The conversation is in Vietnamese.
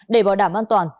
để bảo đảm an toàn